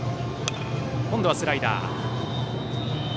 今度はスライダー。